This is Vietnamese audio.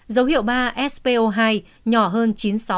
dấu hiệu ba spo hai nhỏ hơn chín mươi sáu